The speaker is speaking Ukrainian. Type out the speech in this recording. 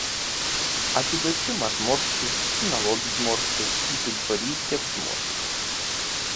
А під очима зморшки, і на лобі зморшки, і підборіддя в зморшках.